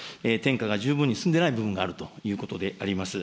十分に進んでいない部分があるということであります。